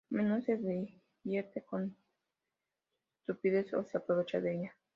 A menudo se divierte con su estupidez, o se aprovecha de ella.